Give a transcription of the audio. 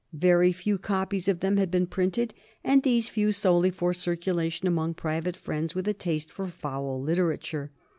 Very few copies of them had been printed, and these few solely for circulation among private friends with a taste for foul literature.